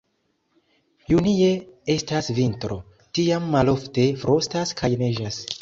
Junie estas vintro, tiam malofte frostas kaj neĝas.